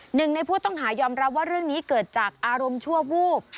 หนึ่งในผู้ต้องหายอมรับว่าเรื่องนี้เกิดจากอารมณ์ชั่ววูบ